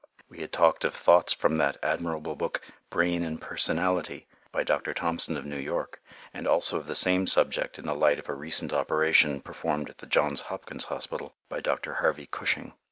We had talked of thoughts from that admirable book, "Brain and Personality," by Dr. Thompson of New York, and also of the same subject in the light of a recent operation performed at the Johns Hopkins Hospital by Dr. Harvey Cushing.